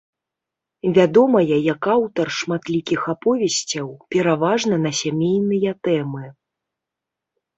Вядомая як аўтар шматлікіх аповесцяў, пераважна на сямейныя тэмы.